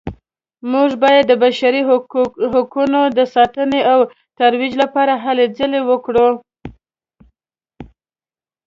موږ باید د بشري حقونو د ساتنې او ترویج لپاره هلې ځلې وکړو